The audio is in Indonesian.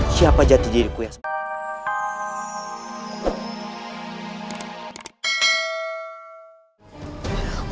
siapa jati diriku yang sempurna